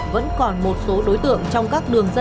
vẫn còn một số đối tượng trong các đường dây